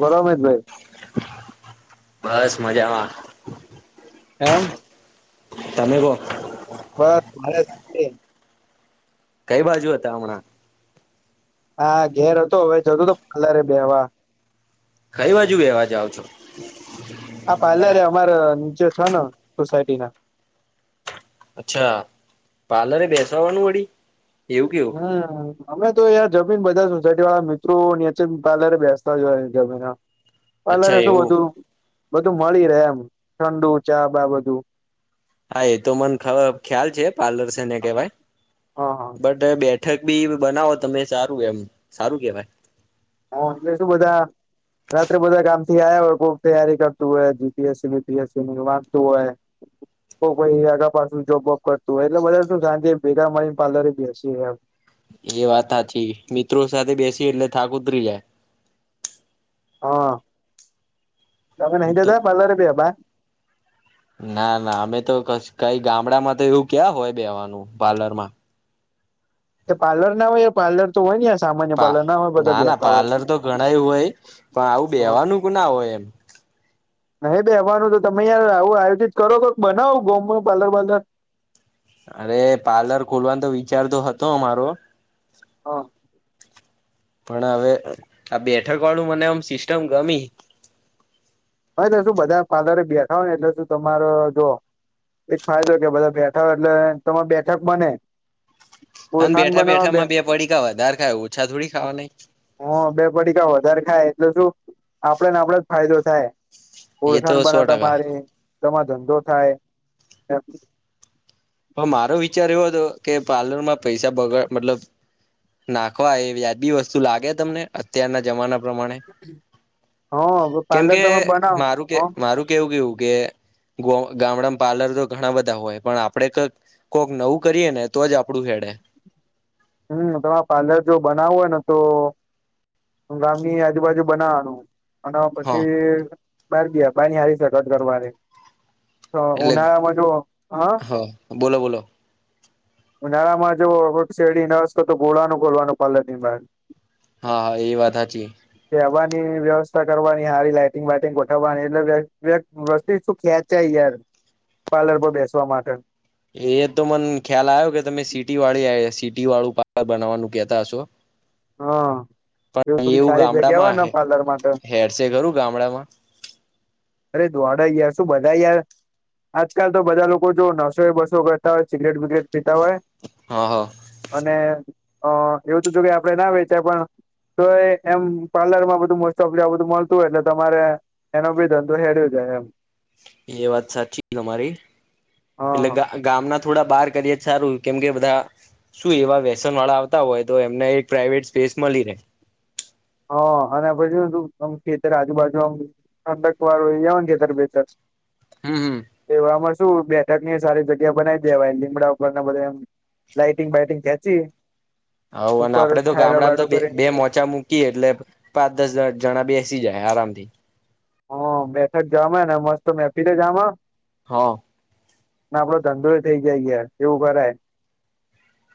બડો અમિતભાઈ બસ મજામાં એમ તમે કો બસ મારે [inaudible] કઈ બાજુ હતા હમણાં હા ઘેર હતો હવે જતું તો પાલરે બેહવા કઈ બાજુ બેહવા જાઓ છો આ પાર્લરે અમારે નીચે છે ને સોસાયટી ના અચ્છા. પાર્લરે બેસવા આવાનું વડી. હમ્મ. અમે તો અહીંયા જમીન બધા સોસાયટી વાળા મિત્રો નીચે પાર્લરે બેસતા જ હોય જમીને. અચ્છા પાલરે શું એવું બધું-બધું મળી રહે એમ, ઠંડુ, ચા, બા બધું. હા એ તો મને ખ ખ્યાલ છે પાર્લર શેને કેવાય, હા હા બટ બે બેઠક બી બનાવો તમે સારું એમ, સારું કેવાય. હા એટલે શું બધા રાત્રે બધા કામથી આયા હોય કોક તૈયારી કરતું હોય જી પી એસ સીની, પી એસ સીની વાંચતું હોય કોક વળી આઘા પાછું જોબ વોબ કરતું હોય એટલે બધા શું શાંતિએ ભેગા મળીને પાલરે બેસીએ એમ. એ વાત હાચી. મિત્રો સાથે બેસી એટલે થાક ઉતરી જાય. હા. તમે નહી તો જતા પાર્લરે બેહવા ના, ના અમે તો કશ કાઈ ગામડામાં તો એવું ક્યાં હોય બેવાનું પાર્લર માં. તો પાર્લર ના હોય તો પાલર તો હોય હ પા ના, ના પાર્લર તો ઘણાય હોય, પણ આવું બેહવાનું કે ના હોય એમ. નહિં બેહવાનું તો તમે યાર આવું આયોજિત કરો કોક બનાવો [unintelligible] પાર્લર વાર્લર. અરે પાર્લર ખોલવાન તો વિચારતો હતો અમારો. હ પણ હવે આ બેઠક વાળું મને આમ સિસ્ટમ ગમી. હા એટલે શું બધા પાર્લરે બેઠા હોય એટલે શું તમારો જો એક ફાયદો કે બધા બેઠા હોય એટલે તમે બેઠક બને. અને ઓળખાણ બનાવ બેઠા-બેઠા માં બે પડીકા વધાર ખાય ઓછા થોડી ખાવા નઈ. હા બે પડીકા વધારે ખાય એટલે શું આપડે ને આપડે જ ફાયદો થાય. નહી એ તો ઓળખાણ સો બનાતા ટકા પાડે, તમાર ધંધો થાય, ને હા મારો વિચાર એવો હતો કે પાર્લર માં પૈસા બગાડ મતલબ નાખવા એ વ્યાજ બી વસ્તુ લાગે તમને અત્યારના જમાના પ્રમાણે હ કેમ પાર્લર કે તમે બનાવો મારું કે હ મારું કેવું કેઉ કે ગ ગામડામાં પાર્લર તો ઘણા બધા હોય પણ આ આપડે કક કોક નવું કરીએ ને તો જ આપડું હેડે. હમ્મ, તમારે પાર્લર જો બનાવવું હોયને તો અહ ગામની આજુબાજુ બનાવવાનું. અને હા પછી બાર ગયા [unintelligible] તો એટલે ઉનાળામાં જો હા બોલો બોલો ઉનાળામાં જો શેરડી નો રસ [unintelligible] ખોલવાનું પાર્લરની બહાર. હા, એ વાત હાચી. ની વ્યવસ્થા કરવાની હારી લાાઈટિંગ વાઈટિંગ ગોઠવવાની એટલે વ્ય વ્યગ વસ્તો શું ખેંચાય યાર. પાર્લર પર બેસવા માટે. એ તો મન ખ્યાલ આવ્યો કે તમે સિટી વાળી આ સી ટી વાળું પાર્લર બનાવવાનું કેતા હશો. હા. એવું પણ થોડી સારી જગ્યા હોય ગામડામાં ને પાર્લર માટે હેરશે ખરું ગામડામાં અરે દોડે યાર શું બધા યાર આજકાલ તો બધા લોકો જો નવસો એ બસો કરતા હોય સિગરેટ બિગ્રેટ પીતા હોય, હા હા અને અહ એવું તો જો કે આપણેે ના વેચાય પણ તોય એમ પાર્લર માં બધું મોસ્ટ ઓફલી આવુ બધું મળતું હોય એટલે તમારે એનો બી ધંધ તો હેડે જાય એમ. એ વાત સાચી તમારી, એટલે હા ગા ગામના થોડા બહાર કરીએ સારું કેમ કે બધા શું એવા વ્યસન વાળા આવતા હોય, તો એમને એક પ્રાઇવેટ સ્પેસ મલી રહે. હા અને [unintelligible] ખેતર આજુબાજુ આમ ઠંડક વાળા હોય ને એવા ખેતર બેતર હમ્મ-હમ્મ. જોમાં શું બેઠક ની સારી જગ્યા બનાવી દેવાય લીમડા ઉપર ને બધા એમ લાઈટિંગ બાઈટિંગ ખેચી હાવ અને આપડે તો ગામડામાં તો બે મોચા મુક કી એટલે પાંચ દસ જણા બેસી જાય આરામથી હ બેઠક જવા ને મસ્ત મેફિરે જમાં હા અને આપડો ધંધોય થઇ જાય ગય એવું કરય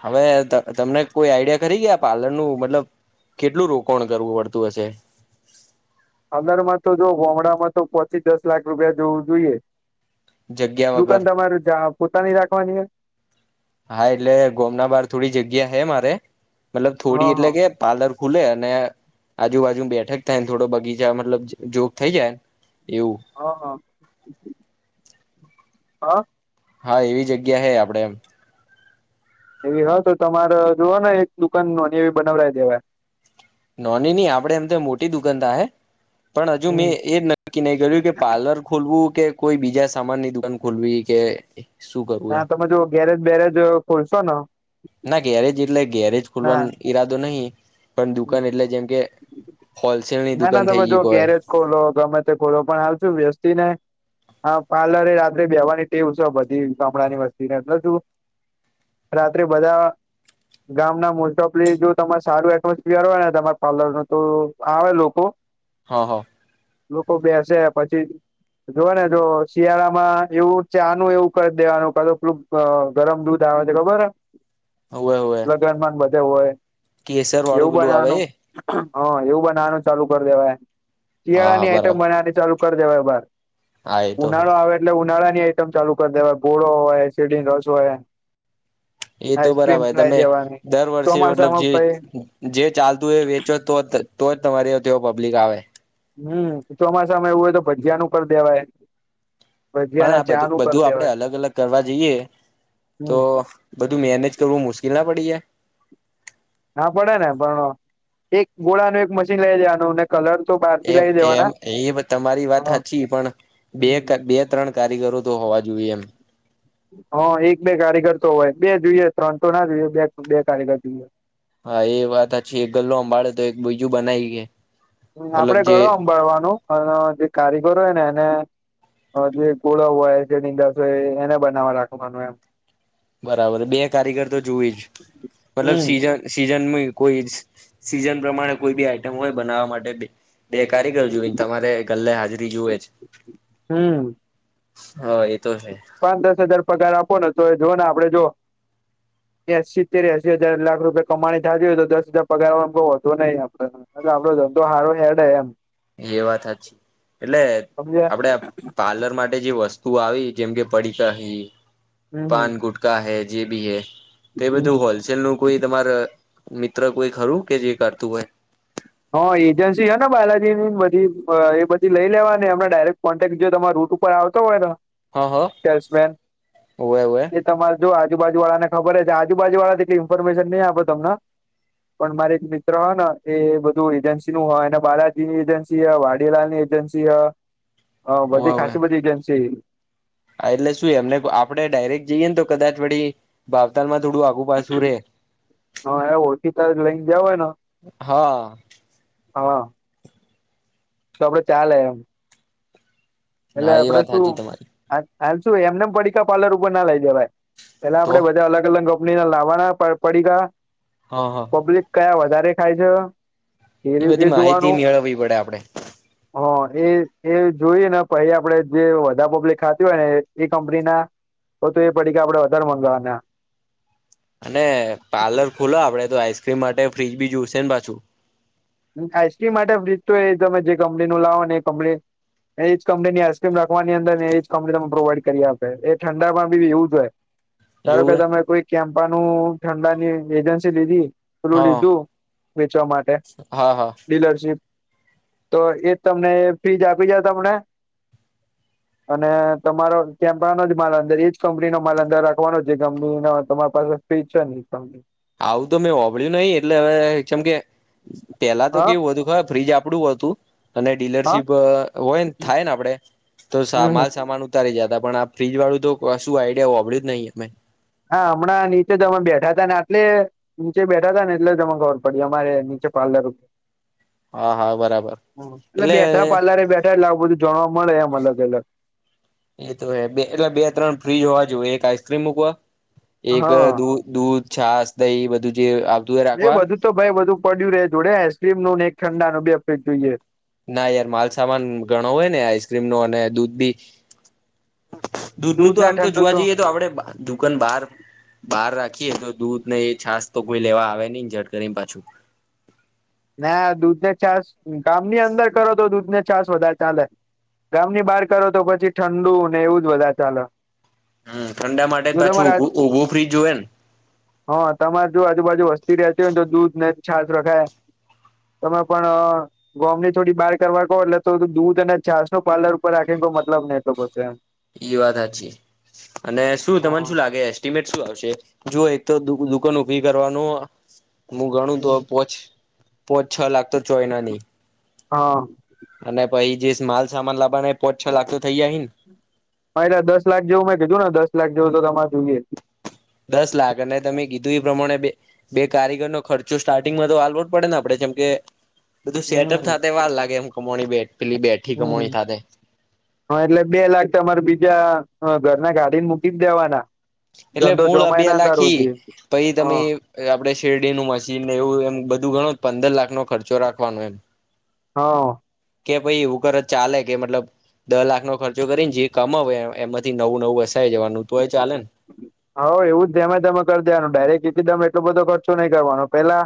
હવે ત તમને કોઈ આઈડિયા ખરી ગયા પાર્લર નું મતલબ કેટલું રોકાણ કરવું પડતું હશે અંદર માં તો જો ગોમણામાં તો પોચ થી દસ લાખ રૂપિયા જોવું જોઈએ જગ્યા વગર દુકાન તમારું જા પોતાની રાખવાની હોય હા એટલે ગોમના બાર થોડી જગ્યા હ મારે મતલબ થોડી હ હ એટલે કે પાર્લર ખુલે અને આજુબાજુ બેઠક થાયને થોડો બગીચા મતલબ જોક થઈ જાયને હા હા હા હા એવી જગ્યા હૈ આપડે એમ એવી હ તો તમારે જો ને એક દુકાન ન એવી બનાવરાય દેવાય નોની ન આપડે એમ તો મોટી દુકાનદ હે પણ હજુ હમ મેં એ નક્કી નહી કર્યું કે પાર્લર ખોલવું કે કોઈ બીજા સામાનની દુકાન ખોલવી કે શું કરવું એમ હા તમે જો ગેરેજ બેેરેજ ખોલશો ન ના ગેરેજ એટલે ગેરેજ ખોલવાનો ઈરાદો નહી પણ દુકાન એટલે જેમ કે હોલસેલની ના ના દુકાન થઈ તમે જો ગઈ કોઈ ગેરેજ ખોલો ગમે તે ખોલો પણ આવશું વ્યસ્તી ને હા પાર્લરે એ રાત્રે બેહવાની ટેવ છ બધી ગામડા ની વસ્તી ને એટલે શું રાત્રે બધા ગામ ના મોટોપલી જો તમારે સારું એ [unintelligible] હોય ને તમારા પાર્લર નું તો આવે લોકો હ હ. લોકો બેસે પછી જો ને જો શિયાળા માં એવું ચાનું એવું કર દેવાનું કા પેલું ગરમ દૂધ આવે તે ખબર હ. હઉ એ હુએ. તે હોય એવું આવે બનવાનું. એ હા એવું બનાવાનું ચાલુ કરી દેવાય હા શિયાળા હા ની આઈટમ બરાબર બનાવવાની ચાલુ કરી દેવાય બાર. હા એ તો હે ઉનાળો આવે એટલે ઉનાળા ની આઈટમ ચાલુ કરી દેવાય ગોળો હોય શેરડી નો રસ હોય. એ તો આઈસ્ક્રીમ બરાબર લાઈ તમે દેવાની દર વર્ષે મતલબ ચોમાસામાં જે પહી જે ચાલતું હો એ વેચો તો તો જ તમારયો તો પબ્લિક આવે. હમ્મ ચોમાસામાં એવું હોય તો ભજીયાનું ઉપર દેવાય. પણ ભજીયાને આ બધું ચાનું કરી બધું આપડે દેવાય અલગ અલગ કરવા જઈએ તો હમ બધું મેનેજ કરવું મુશ્કેલ ના પડી જાય. હા પડે ને પણ એક ગોળા ન એક મશીન લાઇ દેવાનું ને કલર તો બહારથી એ લઈ એમ દેવાના એ તમારી વાત હ હાચી પણ બે હમ ત બે ત્રણ કારીગરો તો હોવા જોઈએ એમ હા એક બે કારીગર તો હોય બે જોઈએ ત્રણ તો ના જોઈએ બે બે કારીગર જોઈએ. હા એ વાત હાચી એ ગલ્લો હંભાળે તો એક બીજું બનાઈ એ આપડે ગળો હભ્ભાળવા નું અન જે કારીગરો હોય ને એને જે કુળો હોય જે શેરડી રસ હોય એને બનાવવા રાખવાનું એમ. બરાબર બે કારીગર તો જોવી જ મતલબ હમ સીઝન સીઝન કોઈ સીઝન પ્રમાણે કોઈ બી આઈટમ હોય બનાવવા માટે બે કારીગર જોઇ તમારે ગલ્લે હાજરી જુએ જ. હમ હા એ તો છે પાંચ દસ હજાર પગાર આપો ને તો એ જુઓ ને આપડે જો [inaudible] એ એ સિતેર એસી હજાર લાખ રૂપિયા કમાણી થતી હોય તો દસ હજાર પગાર માં વોધો નઈ આપડ એટલે આપડો ધંધો હારો હેડે એમ. એ વાત સાચી એટલે સમજ્યા આપડે પાર્લર માટે જે વસ્તુ આવી જેમ કે પડીકા હિ હમ પાન ગુટકા હે જેબી હે તે હમ બધું હોલસેલ નું કોઈ તમાર મિત્ર કોઈ ખરું કે જે કરતું હોય. હા એજન્સી હેને બાલાજી ની બધી એ બધી લઈ લેવાની અમને ડાયરેક્ટ કોન્ટેક્ટ જો તમાર રૂટ ઉપર આવતો હોય ને હ હ સેલ્સમેન હોવે હોવે એ તમારે જો આજુબાજુ વાળાને ખબર છે આજુબાજુ વાળા ઈતો કઈ ઇન્ફોર્મેશન નહીં આપ તમને પણ મારે એક મિત્ર હ ને એ બધું ધુ એજન્સી નું હ એ બાલાજીની એજન્સી હ વાડીલાલ ની એજન્સી હ. હ હોવે બધી હોવે ખાસી બધી એજન્સી હિ. હા એટલે શું એમને આપડે ડાયરેક્ટ જઈએ ને તો કદાચ વળી ભવતાલમાં થોડું આગુ પાછું રે. તો લઈને જવા નો હા હ. તો આપડે ચાલે એમ એટલે હા એ આપડે વાત સાચી તમારી શું હાલ શું એમને પડીકા પાર્લર ઉપર ના લઈ જવાય પેલા તો આપડે બધા અલગ અલગ લાવવાના પડીકા હા હા પબ્લિક કયા વધારે ખાય છે એ બધી રીતે જોવાનુ માહિતી મેળવવી પડે આપડે હ એ એ જોઈ ને પછી આપડે જે વધારે પબ્લિક ખાતી હોય ને એ કંપની ના તો તો એ પડીકા આપડે વધારે મગાવાના અને પાર્લર ખુલો આપડે તો આઈસક્રીમ માટે ફ્રીજ બી જોશે ને પાછુ આઈસ્ક્રીમ માટે ફ્ર્રીજ તો એ તમે જે કંપની નું લાવો ને એ કંપની એજ કંપનીની આઈસક્રીમ રાખવાની અંદર એજ કંપની તમે પ્રોવાઈડ કરી આપે એ ઠંડામાં બી એવું જ હોય ધારો કે એવું હે? તમે કોઈ કેમપાનું ઠંડાની એજન્સી લીધી પેલુ હા લીધુ વેચવા માટે હા હા ડીલરશીપ તો એ તમને ફ્રીજ આપી જાય તમને અને તમારો કેમ્પાનો જ માલ અંદર એજ કંપની નો માલ અંદર રાખવાનો જે કંપની નો તમારી પાસે ફ્રીજ છે [unintelligible] આવું તો મેં હોભળ્યું નહી એટલે હવે ચેમ કે પેલા તો હા કેવુ હતુ ખબર ફ્રીજ આપ આપડુ હતુ અને હા ડીલરશીપ હોય ને થાય ને આપડે તો હમ માલ સામાન ઉતારી જતા પણ આ ફ્રીજ વાળુ તો શું આઈડિયા હોભડયુ જ નહી મે હા હમણા નીચે જમે બેઠા હતા ને આટલે નીચે બેઠા હતા ને એટલે મને ખબર પડી અમારે નીચે પાર્લર હા હા બરાબર એટલે એટલે બેઠા પાર્લર બેઠા આવું બધું જાણવા મળે એમ અલગ અલગ એ તો હે એટલે બે ત્રણ ફ્રીજ હોવા જોએ એક આઈસ્ક્રીમ મૂકવા એક અહ હા દૂ દૂધ છાસ દહી બધું જે આ એ બધું તો ભાઈ પડ્યુ રે જોડે આઈસક્રીમ નું ને એક ઠંડાનુ બે ફ્રીજ જોઈએ. ના યાર માલસામાન ઘણો હોય ને આઈસ્ક્રીમ નો અને દૂધ બી દૂધ નું તો આમ તો જોવા જઈએ તો આપડે દુકાન બહાર બહાર રાખીએ તો દૂધ ને એ છાસ તો કોઈ લેવા આવે નહી ઝટ કરીને પાછું. ના યાર દૂધને છાસ ગામની અંદર કરો તો દૂધ ને છાસ વધારે ચાલે. ગામ ની બહાર કરો તો પછી ઠંડુ ને એવું જ વધારે ચાલે. હમ ઠંડા માટે જો પાછું તમારે ઉભું ફ્રીજ જોવે ને હા તમારે જો આજુબાજુ વસ તી રહેતી હોય તો દૂધ ને છાસ રખાય તમે પણ ગોમની થોડી બહાર કરવા કો એટલે તો દૂધ અને છાસ નો પાર્લર ઉપર રાખીને કહ મતલબ નહીં થતો એમ એ વાત સાચી અને શું તમન હા શું લાગે એસ્ટિમેટ શું આવશે જોઓ એક તો દુકાન ઊભી કરવાનુ હું ગણું તો હમ પોચ પોત છ લાખ તો ચોયના ની હા અને પછી જે માલ સામાન લાબાના એ પોચ છ લાખતો થઇ જાય હી ન હ એટલે દસ લાખ જેવુ મેં કીધુ ને દસ લાખ જેવુ તો તમારે જોઈએ દસ લાખ અને તમે કીધું એ પ્રમાણે બે બે કારીગરનો ખર્ચો સ્ટાર્ટિંગમા તો આલવો જ પડે ને આપડે જેમ કે બધુ સેટઅપ થતા વાર લાગે એમ કમણી બેટ હમ હા એટલે બે લાખ તમારે બીજા હ ઘરના ગાડી ને મૂકી જ દેવાના એટલે ધંધો મૂળ જોમાય અભ્યા ના તાર લખ ઇ સુધી પછી તમે હા આપડે શેરડી નુ મશીન ને એવુ એમ બુ બધુ ઘણો પંદર લાખ નો ખર્ચો રાખવાનો એમ હા કે ભાઈ એવુ કરત ચાલે કે મતલબ દહ લાખ નો ખર્ચો કરીને જે કમા એમાથી નવું નવું જવાનુંનુ તુંય ચાલન હઉ એવું જ ધમે ધમે કરી દેવાનું ડાયરેક્ટ ટીદમ એટલો બધો ખર્ચો નહીં કરવાનો પેલા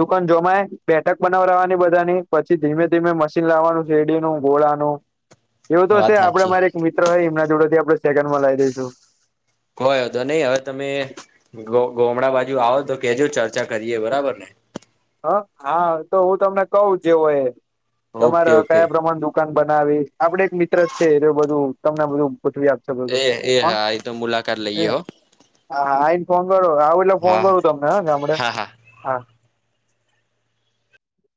દુકાન જમાય બેઠક બનાવ રવાની બધાની પછી ધીમે ધીમે મશીન લાવવાનું શેરડી નું ગોળાનું [inaudible] એવું તો ને છે વાત આપડે સાચી મારે એક મિત્ર હોય એમના જોડે થી આપણે સેકન્ડમાં લઈ દઈશું કોઈ તો નહી હવે તમે ગોમડા બાજુ આવો તો કેજો ચાલ ચા કરીએે બરાબર ને હ હા તો હું તમને કઉ જેવો એ ઓકે તમારે ઓકે કયા પ્રમાણ દુકાન બ આપડે એક મિત્ર જ છે એ બધું તમને બધું ગોઠવી આપશે બધું એ એ હા હ એ તો મુલાકાત લઈએ એ હો હા આઈને ફોન કરો આવું એટલે ફોન હા કરું તમને હ ગામડે હા હા હા. હા